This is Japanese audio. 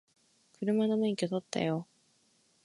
車の免許取ったよ